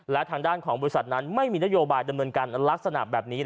และทางด้านของบริษัทนั้นไม่มีนโยบายดำเนินการลักษณะแบบนี้